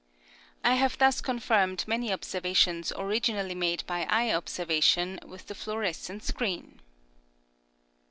I have thus confirmed many observations originally made by eye observation with the fluorescent screen.